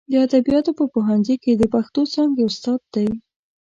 د ادبیاتو په پوهنځي کې د پښتو څانګې استاد دی.